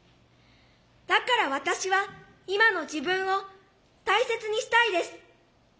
だから私は今の自分を大切にしたいです。